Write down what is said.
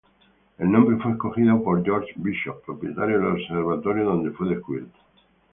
El nombre fue escogido por George Bishop, propietario del observatorio donde fue descubierto.